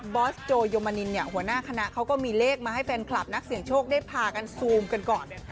อสโจยมนินเนี่ยหัวหน้าคณะเขาก็มีเลขมาให้แฟนคลับนักเสี่ยงโชคได้พากันซูมกันก่อน